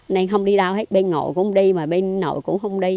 nên không đi đâu hết bên ngộ cũng không đi mà bên nội cũng không đi